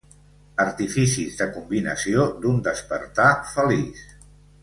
Artificis de combinació d'un despertar feliç.